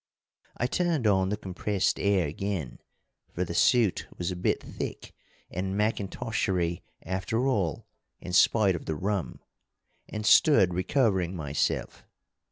I turned on the compressed air again for the suit was a bit thick and mackintoshery after all, in spite of the rum and stood recovering myself.